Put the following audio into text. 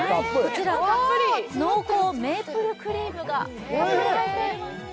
こちら濃厚メープルクリームが入っています。